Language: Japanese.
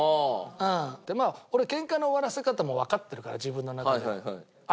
でまあ俺喧嘩の終わらせ方もうわかってるから自分の中で。